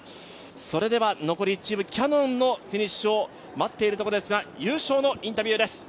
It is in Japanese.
それでは残り１チーム、キャノンのフィニッシュを待っているところですが優勝のインタビューです。